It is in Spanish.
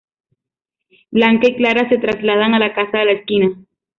Blanca y Clara se trasladan a la Casa de la Esquina.